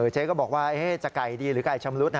เจ๊ก็บอกว่าจะไก่ดีหรือไก่ชำรุด